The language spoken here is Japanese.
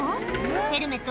ヘルメット